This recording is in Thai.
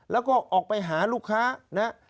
แล้วก็ออกไปหาลูกค้านะ